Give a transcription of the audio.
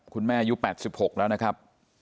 คุณแม่ยุค๘๖แล้วนะครับ